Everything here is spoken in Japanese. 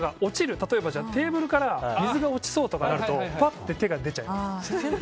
例えば、テーブルから水が落ちそうとかってなると手が出ちゃいます。